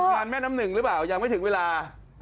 หลานแม่น้ำหนึ่งรึยังไม่ถึงเวลา